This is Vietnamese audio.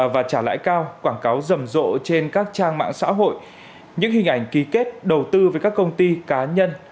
và trả lãi cao quảng cáo rầm rộ trên các trang mạng xã hội những hình ảnh ký kết đầu tư với các công ty cá nhân